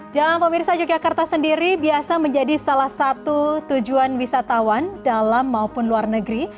pemirsa yogyakarta sendiri biasa menjadi salah satu tujuan wisatawan dalam maupun luar negeri